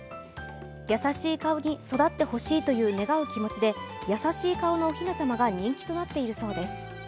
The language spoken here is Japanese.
優しい顔に育って欲しいと願う気持ちで優しい顔のおひな様が人気となっているそうです。